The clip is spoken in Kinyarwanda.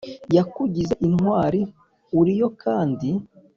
yakugize intwari uriyo kandi